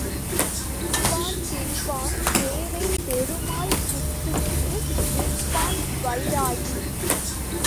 உண்பான் தின்பான் சேவைப் பெருமாள் குத்துக்கு நிற்பான் வைராகி.